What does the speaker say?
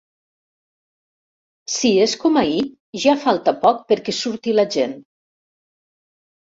Si és com ahir, ja falta poc perquè surti la gent.